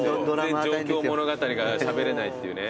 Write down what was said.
上京物語からしゃべれないっていうね。